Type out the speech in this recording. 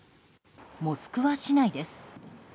モスクワ市内です。